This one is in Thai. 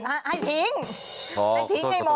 ให้ทิ้งให้ทิ้งให้หมด